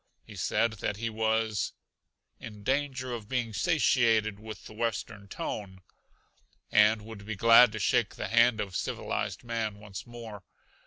He said that he was "in danger of being satiated with the Western tone" and would be glad to shake the hand of civilized man once more.